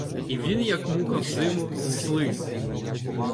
І він, як муха в зиму, зслиз.